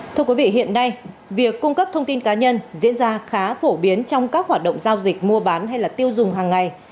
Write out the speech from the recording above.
thưa quý vị hiện nay việc cung cấp thông tin cá nhân diễn ra khá phổ biến trong các hoạt động giao dịch mua bán hay tiêu dùng hàng ngày